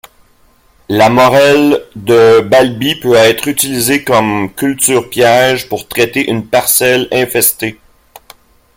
La Morelle de Balbis peut être utilisée comme culture-piège pour traiter une parcelle infestée.